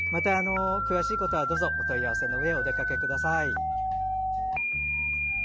詳しいことはどうぞお問い合わせのうえお出かけください。